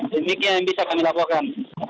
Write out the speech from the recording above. demikian yang bisa kami laporkan